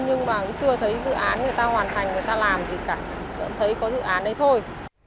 nhưng mà cũng chưa thấy dự án người ta hoàn thành người ta làm thì cả vẫn thấy có dự án đấy thôi